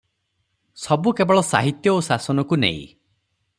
ସବୁ କେବଳ ସାହିତ୍ୟ ଓ ଶାସନକୁ ନେଇ ।